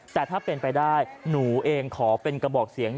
แต่ถ้าเป็นไปได้หนูเองขอเป็นกระบอกเสียง